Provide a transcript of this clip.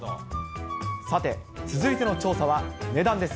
さて、続いての調査は値段です。